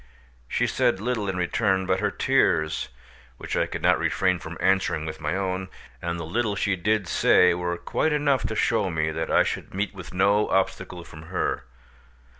She said little in return, but her tears (which I could not refrain from answering with my own) and the little she did say were quite enough to show me that I should meet with no obstacle from her.